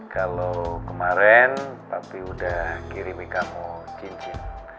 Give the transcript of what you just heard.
kalau kemarin papi udah kirimi kamu cincin